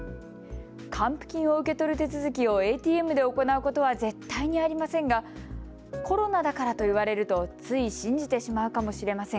還付金を受け取る手続きをＡＴＭで行うことは絶対にありませんがコロナだからと言われるとつい信じてしまうかもしれません。